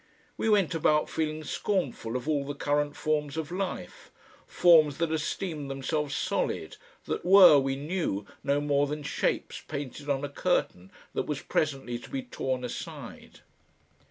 We went about feeling scornful of all the current forms of life, forms that esteemed themselves solid, that were, we knew, no more than shapes painted on a curtain that was presently to be torn aside....